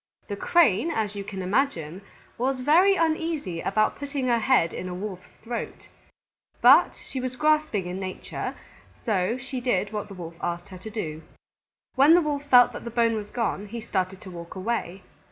The Crane, as you can imagine, was very uneasy about putting her head in a Wolf's throat. But she was grasping in nature, so she did what the Wolf asked her to do. When the Wolf felt that the bone was gone, he started to walk away.